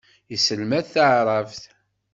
Yesselmad taɛṛabt.